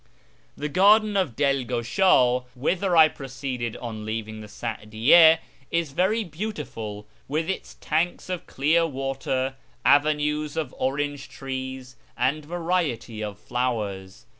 The Garden of Dilgush;i, whither I proceeded on leaving the Sa'diyye, is very beautiful, with its tanks of clear water, avenues of orange trees, and variety of flowers.